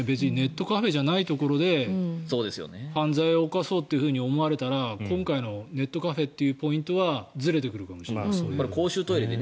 ネットカフェじゃないところで犯罪を起こそうと思われたら今回のネットカフェというポイントはずれてくるかもしれないですね。